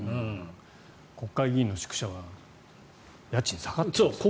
国会議員の宿舎は家賃下がってますからね。